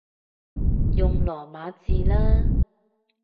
用羅馬字啦